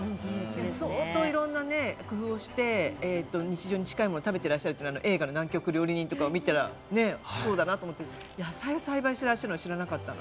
相当色んな工夫をして日常に近いものを食べていらっしゃるというのは映画の「南極料理人」とかで見たんですが野菜を栽培してらっしゃるのは知らなかったな。